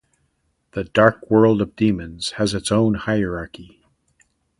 The dark world of demons has its own hierarchy.